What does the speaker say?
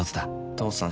父さん